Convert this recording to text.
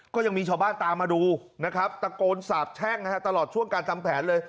ก็ยังมีชาวบ้านตามมาดูนะครับตะโกนสาบแช่งตลอดช่วงการทำแผนเลย